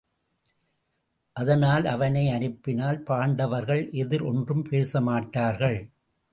அதனால் அவனை அனுப்பினால் பாண்டவர்கள் எதிர் ஒன்றும் பேசமாட்டார்கள்.